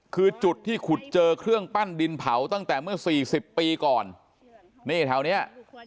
คือจุดที่ขุดเจอเครื่องปั้นดินเผาตั้งแต่เมื่อสี่สิบปีก่อนนี่แถวเนี้ย